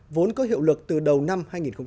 vốn có hiệu lực từ đầu năm hai nghìn một mươi sáu